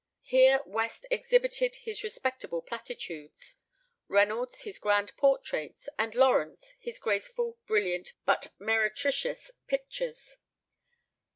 Here West exhibited his respectable platitudes, Reynolds his grand portraits, and Lawrence his graceful, brilliant, but meretricious pictures.